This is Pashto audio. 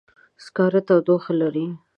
سکاره تودوخه لري.